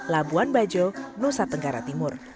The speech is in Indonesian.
labuan bajo nusa tenggara timur